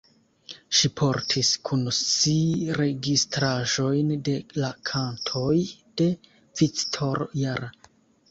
Ŝi portis kun si registraĵojn de la kantoj de Victor Jara.